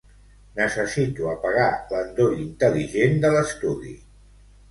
Necessito apagar l'endoll intel·ligent de l'estudi.